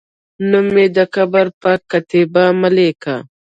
نوم مې د قبر پر کتیبه مه لیکئ